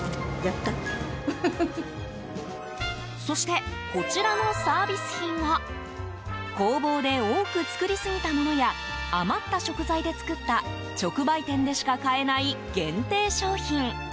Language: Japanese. そして、こちらのサービス品は工房で多く作りすぎたものや余った食材で作った直売店でしか買えない限定商品。